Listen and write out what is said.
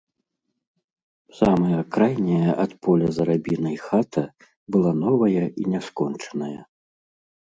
Самая крайняя ад поля з арабінай хата была новая і няскончаная.